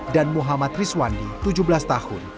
dan muhammad rizwandi tujuh belas tahun